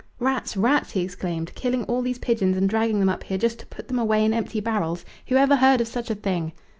"Rats rats!" he exclaimed, "killing all these pigeons and dragging them up here just to put them away in empty barrels who ever heard of such a thing!"